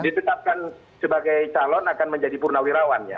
yang tetapkan sebagai calon akan menjadi purnawirawan ya